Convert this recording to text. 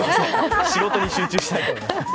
仕事に集中したいと思います。